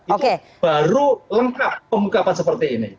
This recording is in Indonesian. itu baru lengkap pengungkapan seperti ini